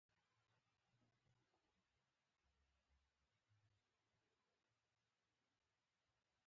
د معدې د شدید درد لپاره د درد مسکن مه خورئ